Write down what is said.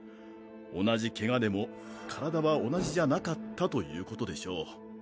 同じ怪我でも体は同じじゃなかったということでしょう。